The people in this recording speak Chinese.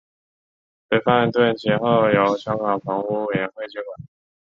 模范邨其后由香港房屋委员会接管。